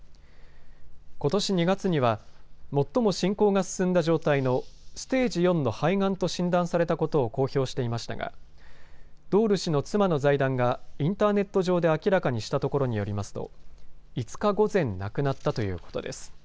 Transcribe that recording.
ことし２月には最も進行が進んだ状態のステージ４の肺がんと診断されたことを公表していましたがドール氏の妻の財団がインターネット上で明らかにしたところによりますと５日午前、亡くなったということです。